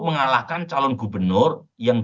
mengalahkan calon gubernur yang